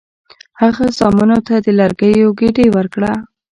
هغه زامنو ته د لرګیو ګېډۍ ورکړه.